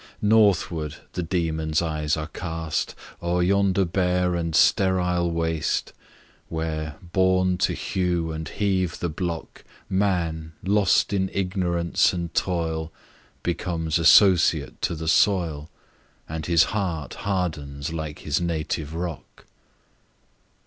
Northward the demon's eyes are cast O'er yonder bare and sterile waste, Where, born to hew and heave the block, Man, lost in ignorance and toil, Becomes associate to the soil, And his heart hardens like his native rock.